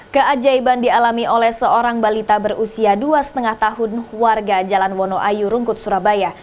keajaiban dialami oleh seorang balita berusia dua lima tahun warga jalan wonoayu rungkut surabaya